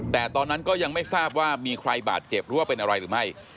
แต่ตอนนั้นก็ยังไม่ทราบว่ามีใครบาดเจ็บหรือว่าเป็นอะไรหรือไม่